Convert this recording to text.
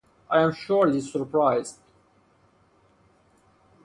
I am surely surprised.